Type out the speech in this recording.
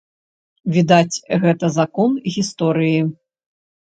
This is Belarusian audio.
Відаць, гэта закон гісторыі.